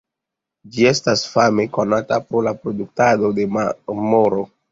Ĝi estas fame konata pro la produktado de marmoro.